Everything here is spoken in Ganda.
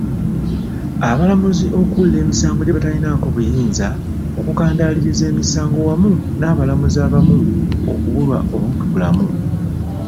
Abalamuzi okuwulira emisango gye batalinaako buyinza, okukandaaliriza emisango wamu n'abalamuzi abamu okubulwa obuntubulamu.